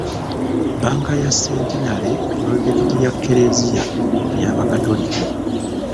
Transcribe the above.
Bbanka ya Centenary pulojekiti ya kereziya ey'abakatoliki.